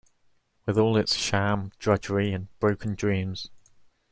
With all its sham, drudgery and broken dreams